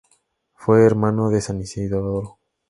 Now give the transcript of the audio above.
Fue hermano de San Isidoro.